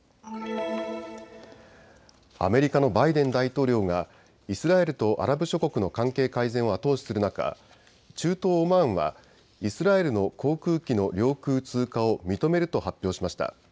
アメリカのバイデン大統領がイスラエルとアラブ諸国の関係改善を後押しする中、中東オマーンはイスラエルの航空機の領空通過を認めると発表しました。